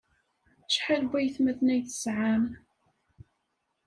Acḥal n waytmaten ay tesɛam?